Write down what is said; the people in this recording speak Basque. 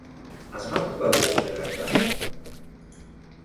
Asmatuko al du zure karta?